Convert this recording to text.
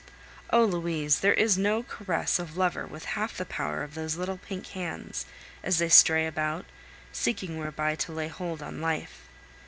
Oh! Louise, there is no caress of lover with half the power of those little pink hands, as they stray about, seeking whereby to lay hold on life.